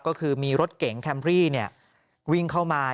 ก็คือมีรถเก๋งแคมรี่วิ่งเข้ามา